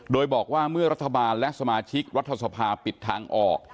โดยบอกว่าเมื่อรัฐบาลและสมาชิกรัฐสภาปิดทางออก